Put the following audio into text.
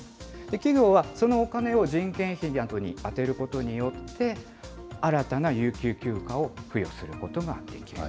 企業はそのお金を人件費などに充てることによって、新たな有給休暇を付与することができる。